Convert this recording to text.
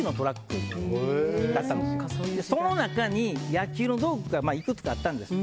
その中に野球の道具がいくつかあったんですって。